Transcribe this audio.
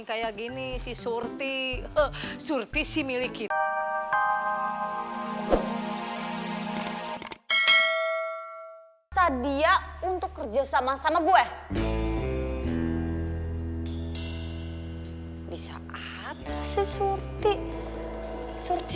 kayak gini sih surti surti si milik kita sadia untuk kerjasama sama gue bisa apa sih surti surti